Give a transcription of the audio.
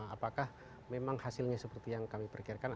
apakah memang hasilnya seperti yang kami perkirakan